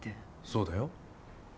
そうだよ。